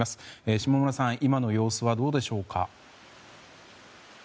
下村さん、今の様子はどうでしょうか。